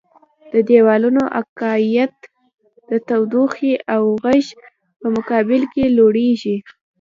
د دیوالونو عایقیت د تودوخې او غږ په مقابل کې لوړیږي.